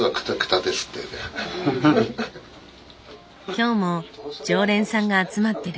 今日も常連さんが集まってる。